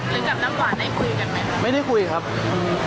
หรือกับน้ำหวานได้คุยกันไหมครับไม่ได้คุยครับอืม